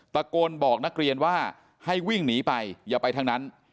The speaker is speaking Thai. ตะโกนบอกนักเรียนว่าให้วิ่งหนีไปอย่าไปทางนั้น